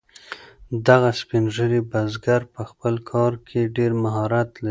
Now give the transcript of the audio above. دغه سپین ږیری بزګر په خپل کار کې ډیر مهارت لري.